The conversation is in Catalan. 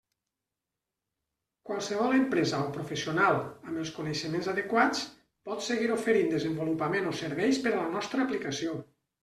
Qualsevol empresa o professional, amb els coneixements adequats, pot seguir oferint desenvolupament o serveis per a la nostra aplicació.